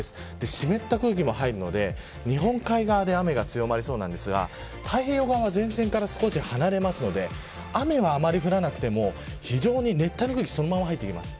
湿った空気も入るので日本海側で雨が強まりそうなんですが太平洋側は前線から少し離れるので雨はあまり降らなくても熱帯の空気がそのまま入ってきます。